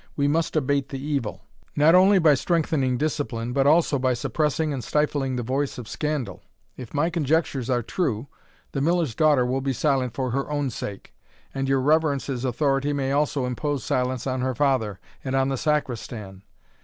We must abate the evil, not only by strengthening discipline, but also by suppressing and stifling the voice of scandal. If my conjectures are true, the miller's daughter will be silent for her own sake; and your reverence's authority may also impose silence on her father, and on the Sacristan.